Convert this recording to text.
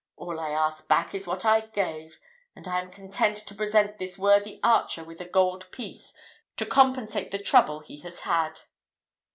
All I ask back is what I gave, and I am content to present this worthy archer with a gold piece to compensate the trouble he has had."